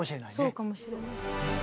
そうかもしれない。